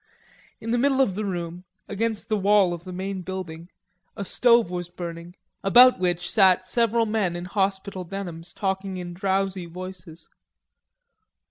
In the middle of the room, against the wall of the main building, a stove was burning, about which sat several men in hospital denims talking in drowsy voices.